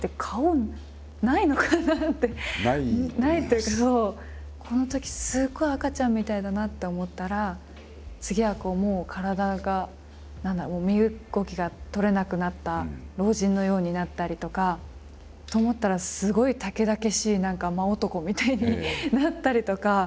確かに私だからこのときすごい赤ちゃんみたいだなって思ったら次はもう体が何だろう身動きが取れなくなった老人のようになったりとか。と思ったらすごいたけだけしい何か間男みたいになったりとか。